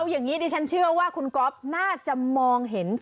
ผมเชื่อว่าคุณก๊อฟมองเห็น